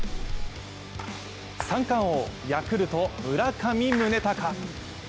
三冠王、ヤクルト・村上宗隆。